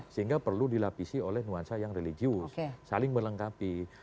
sehingga perlu dilapisi oleh nuansa yang religius saling melengkapi